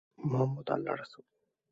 মুহাম্মদ আল্লাহর রাসূল।